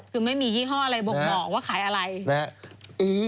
คือไม่มียี่ห้ออะไรบ่งบอกว่าขายอะไร